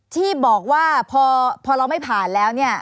ที่บอกว่าพอเราไม่ผ่านแล้วเนี่ย